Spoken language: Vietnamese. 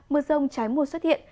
mưa rông trái mùa xuất hiện